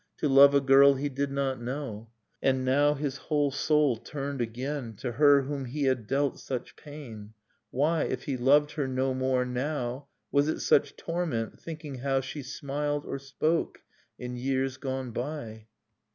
To love a girl he did not know ; And now his whole soul turned again To her whom he had dealt such pain ... Why, if he loved her no more now. Was it such torment, thinking how She smiled, or spoke, in years gone by?